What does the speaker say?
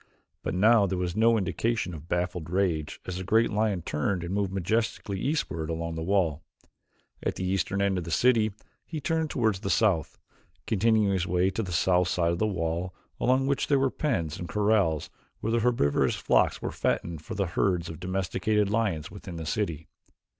But now there was no indication of baffled rage as the great lion turned and moved majestically eastward along the wall. At the eastern end of the city he turned toward the south, continuing his way to the south side of the wall along which were the pens and corrals where the herbivorous flocks were fattened for the herds of domesticated lions within the city.